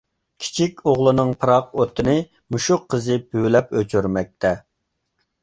كىچىك ئوغلىنىڭ پىراق ئوتىنى مۇشۇ قىزى پۈۋلەپ ئۆچۈرمەكتە.